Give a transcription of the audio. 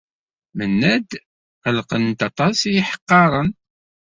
Mennad qellqen-t aṭas yiḥeqqaren.